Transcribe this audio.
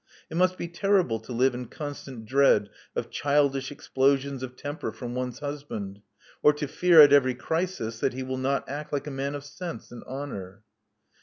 It must be terrible to live in constant dread of childish explosions of temper from one's husband ; or to fear, at every crisis, that he will not act like a man of sense and honor."